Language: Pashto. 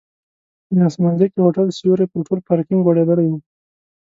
د اسمانځکي هوټل سیوری پر ټول پارکینک غوړېدلی و.